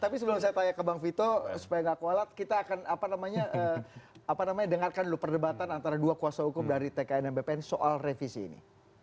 tapi sebelum saya tanya ke bang vito supaya gak kualat kita akan dengarkan dulu perdebatan antara dua kuasa hukum dari tkn dan bpn soal revisi ini